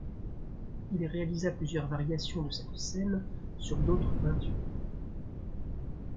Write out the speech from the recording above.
Il réalisa plusieurs variations de cette scène sur d’autre peinture.